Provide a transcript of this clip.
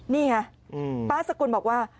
นี่ไงป้าสกุลบอกว่า